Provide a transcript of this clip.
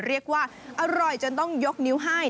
เรียกว่าอร่อยจนต้องยกนิ้วให้